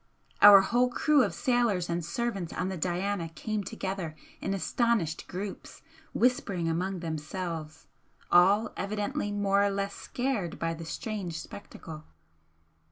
Our whole crew of sailors and servants on the 'Diana' came together in astonished groups, whispering among themselves, all evidently more or less scared by the strange spectacle.